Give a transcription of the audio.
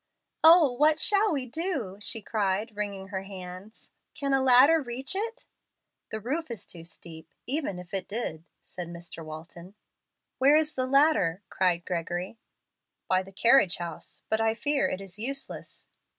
"Oh, what shall we do?" she cried, wringing her hands. "Can a ladder reach it?" "The roof is too steep, even if it did," said Mr. Walton. "Where is the ladder?" cried Gregory. "By the carriage house. But I fear it is useless."